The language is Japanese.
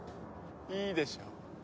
いいでしょう。